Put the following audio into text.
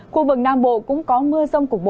khu vực nam bộ cũng có mưa rông cục bộ